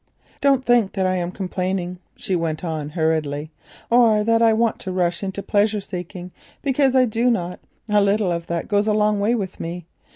"Don't think that I am complaining," she went on hurriedly, "or that I want to rush into pleasure seeking, because I do not—a little of that goes a long way with me.